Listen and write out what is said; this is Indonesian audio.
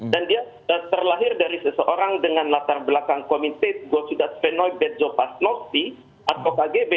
dan dia terlahir dari seseorang dengan latar belakang komite gotsudasvenoibetjopasnosti atau kgb